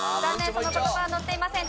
その言葉は載っていません。